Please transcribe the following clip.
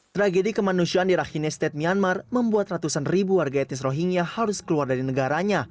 tragedi kemanusiaan di rakhine state myanmar membuat ratusan ribu warga etnis rohingya harus keluar dari negaranya